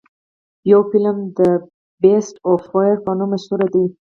يو فلم The Beast of War په نوم مشهور دے.